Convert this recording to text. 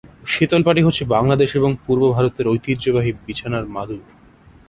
শীতল পাটি হচ্ছে বাংলাদেশ এবং পূর্ব ভারতের ঐতিহ্যবাহী বিছানার মাদুর।